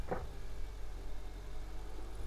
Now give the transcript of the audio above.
হ্যাঁ, তা বলতে পারেন।